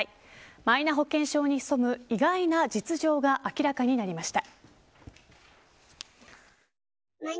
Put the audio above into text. マイナ保険証に潜む意外な実情が明らかになりました。